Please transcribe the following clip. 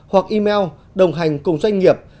hoặc email đồng hành cùng doanh nghiệp